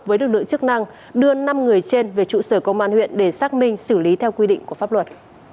với lực lượng chức năng đưa năm người trên về trụ sở công an huyện để xác minh xử lý theo quy định của pháp luật